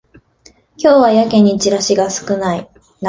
今日はやけにチラシ少ないな